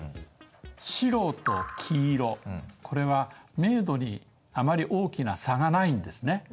白と黄色これは明度にあまり大きな差がないんですね。